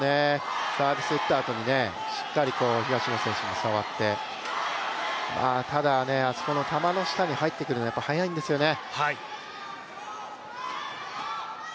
サービスを競ったあとに、しっかりと東野選手が触って、ただあそこの球の下に入ってくるの早いんですよね。